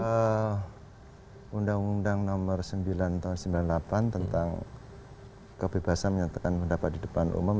yang jelas undang undang nomor sembilan ratus sembilan puluh delapan tentang kebebasan menyatakan pendapat di depan umum